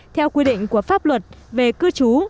theo quy định của pháp luật về cư trú